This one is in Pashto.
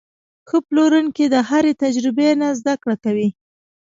ښه پلورونکی د هرې تجربې نه زده کړه کوي.